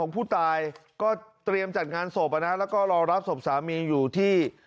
ผู้ตายก็เตรียมจัดงานศพแล้วก็รอรับศพสามีอยู่ที่